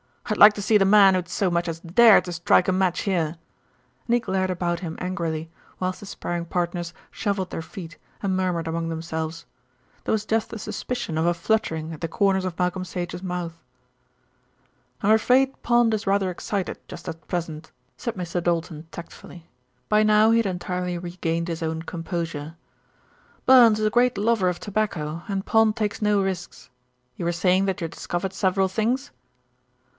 "I'd like to see the man who'd so much as dare to strike a match here," and he glared about him angrily, whilst the sparring partners shuffled their feet and murmured among themselves. There was just the suspicion of a fluttering at the corners of Malcolm Sage's mouth. "I'm afraid Pond is rather excited just at present," said Mr. Doulton tactfully. By now he had entirely regained his own composure. "Burns is a great lover of tobacco, and Pond takes no risks. You were saying that you had discovered several things?"